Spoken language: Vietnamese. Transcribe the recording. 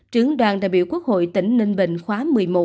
trưởng đoàn đại biểu quốc hội tỉnh ninh bình khóa một mươi một